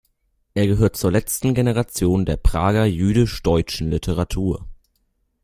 Er gehört zur letzten Generation der Prager jüdisch-deutschen Literatur.